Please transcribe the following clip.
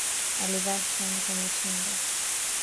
Alivaa shanga kwenye shingo